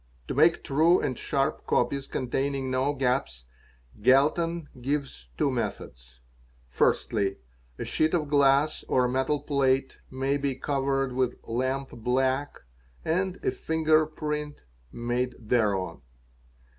To make true and sharp copies ontaining no gaps Galton gives two methods. Firstly, a sheet of glass 'a metal plate may be covered with lamp black and a finger print made hereon.